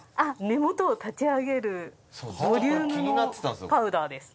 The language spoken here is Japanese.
根元を立ち上げるボリュームのパウダーです。